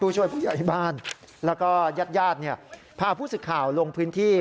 ผู้ช่วยผู้ใหญ่บ้านแล้วก็ยาดพาผู้สิทธิ์ข่าวลงพื้นที่